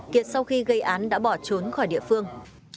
kiệt sau khi gây án đã bỏ trốn khỏi địa phương